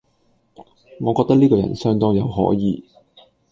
我覺得呢個人相當有可疑